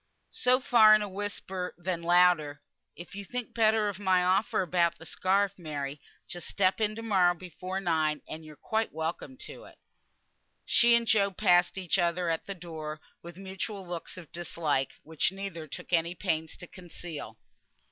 So far in a whisper, then louder, "If you think better of my offer about the scarf, Mary, just step in to morrow before nine, and you're quite welcome to it." She and Job passed each other at the door, with mutual looks of dislike, which neither took any pains to conceal.